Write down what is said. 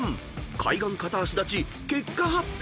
［開眼片足立ち結果発表］